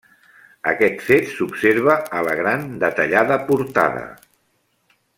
Aquest fet s'observa a la gran detallada portada.